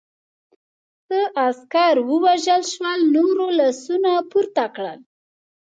څه عسکر ووژل شول، نورو لاسونه پورته کړل.